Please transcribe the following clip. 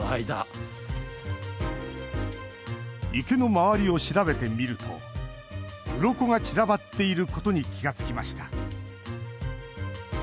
池の周りを調べてみるとうろこが散らばっていることに気が付きました。